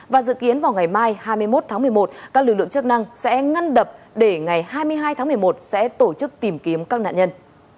và dự kiến vào ngày mai hai mươi một tháng một mươi một các lực lượng chức năng sẽ ngăn đập để ngày hai mươi hai tháng một mươi một sẽ tổ chức tìm kiếm các nạn nhân